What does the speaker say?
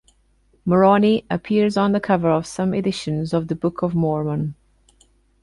Moroni appears on the cover of some editions of the Book of Mormon.